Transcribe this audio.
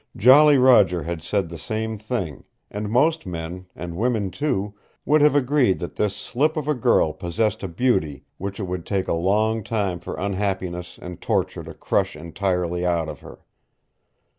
Jolly Roger had said the same thing, and most men and women, too would have agreed that this slip of a girl possessed a beauty which it would take a long time for unhappiness and torture to crush entirely out of her.